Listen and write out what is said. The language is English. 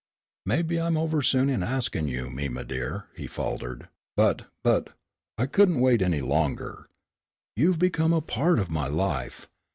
"Maybe I'm over soon in asking you, Mima dear," he faltered, "but but, I couldn't wait any longer. You've become a part of my life.